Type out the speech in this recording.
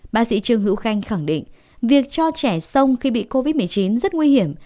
bác sĩ trương hữu khanh khẳng định việc cho trẻ sông khi bị covid một mươi chín rất nguy hiểm